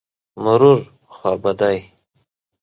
مرور... خوابدی.